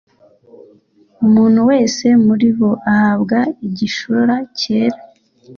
Umuntu wese muri bo ahabwa igishura cyera,